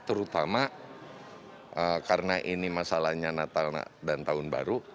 terutama karena ini masalahnya natal dan tahun baru